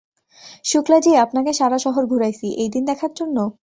শুক্লা জী আপনাকে সারা শহর ঘুরাইছি, এই দিন দেখার জন্য?